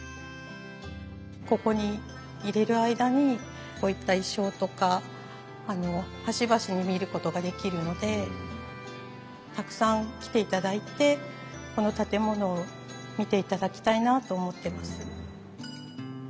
ここにいれる間にこういった意匠とか端々に見ることができるのでたくさん来ていただいてこの建物を見ていただきたいなと思ってます。